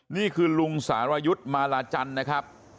นี่คือลุงสารยุชมารคะใจร์ทค์นะครับ